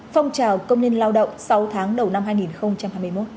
phong trào công nhân lao động sáu tháng đầu năm hai nghìn hai mươi một